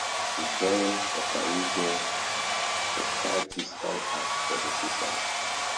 He joined Hokkaido Tokachi Sky Earth for the season.